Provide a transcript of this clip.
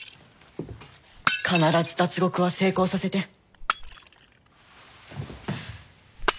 必ず脱獄は成功させて。